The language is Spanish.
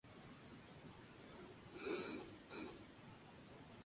Está casado con su novia de toda la vida, Jenny.